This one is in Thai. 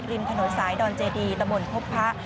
ริมถนนสายดอนเจดีตะบนพบพระ